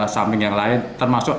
samping yang lain termasuk